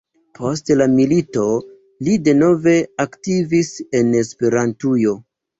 Post la milito li denove aktivis en Esperantujo.